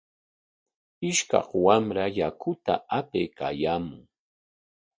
Ishkaq wamra yakuta apaykaayaamun.